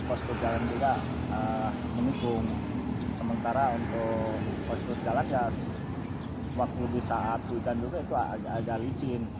kostur jalan ya waktu di saat hujan dulu itu agak licin